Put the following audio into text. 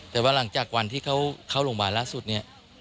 แต่ว่าหลังจากวันที่เขาเข้าโรงพยาบาลล่าสุดเนี่ย